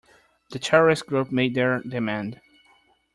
The terrorist group made their demand.